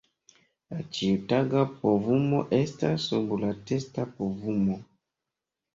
La ĉiutaga povumo estas sub la testa povumo.